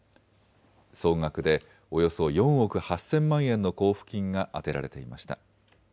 総額でおよそ４億８０００万円の交付金が充てられていました。